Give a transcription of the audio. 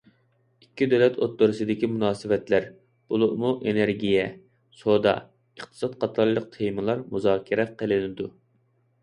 ئىككى دۆلەت ئوتتۇرىسىدىكى مۇناسىۋەتلەر، بولۇپمۇ ئېنېرگىيە، سودا، ئىقتىساد قاتارلىق تېمىلار مۇزاكىرە قىلىنىدۇ.